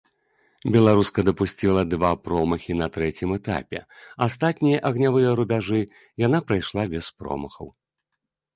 Беларуска дапусціла два промахі на трэцім этапе, астатнія агнявыя рубяжы яна прайшла без промахаў.